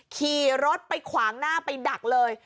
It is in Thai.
ขี่รถไปขวางหน้าไปดักเลย